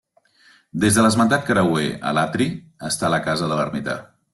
Des de l'esmentat creuer a l'atri, està la casa de l'ermità.